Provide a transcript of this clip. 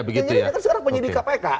jadi ini kan sekarang penyidik kpk